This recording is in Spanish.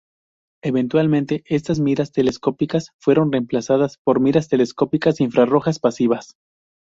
Eventualmente, estas miras telescópicas fueron reemplazadas por miras telescópicas infrarrojas pasivas.